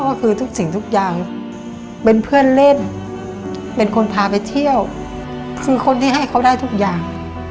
ก็คือทุกสิ่งทุกอย่างเป็นเพื่อนเล่นเป็นคนพาไปเที่ยวคือคนที่ให้เขาได้ทุกอย่าง